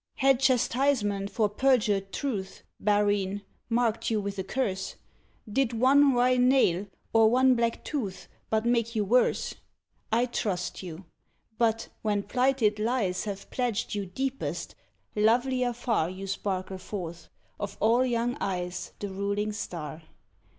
Had chastisement for perjured truth, Barine, mark'd you with a curse Did one wry nail, or one black tooth, But make you worse I'd trust you; but, when plighted lies Have pledged you deepest, lovelier far You sparkle forth, of all young eyes The ruling star.